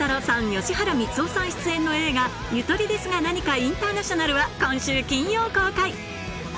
吉原光夫さん出演の映画『ゆとりですがなにかインターナショナル』は今週金曜公開